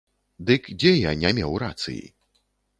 Дык дзе я не меў рацыі?